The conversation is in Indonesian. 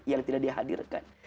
yang tidak dihadirkan